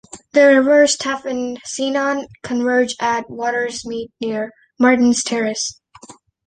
The rivers Taff and Cynon converge at Watersmeet near Martin's Terrace.